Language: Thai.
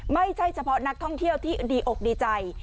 ไม่ใช่เฉพาะนักท่องเที่ยวที่ดีอกดีใจ